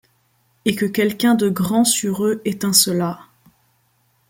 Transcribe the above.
Et que quelqu'un de grand sur eux étincelât.